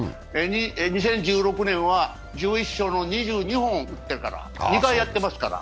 ２０１６年は１１勝の２２本打ってるから、２回やってますから。